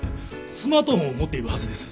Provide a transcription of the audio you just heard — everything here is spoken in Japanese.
スマートフォンを持っているはずです。